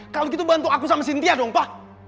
kalau gitu bantu aku sama cynthia dong pak